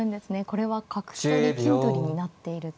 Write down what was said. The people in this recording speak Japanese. これは角取り金取りになっていると。